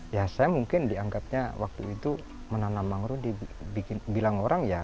ya saya mungkin dianggapnya waktu itu menanam mangrove dibilang orang ya